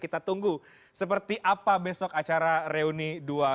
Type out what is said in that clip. kita tunggu seperti apa besok acara reuni dua ribu dua puluh